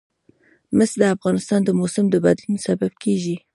مس د افغانستان د موسم د بدلون سبب کېږي.